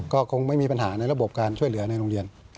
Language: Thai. ก็คงไม่มีปัญหาในระบบการช่วยเหลือในโรงเรียน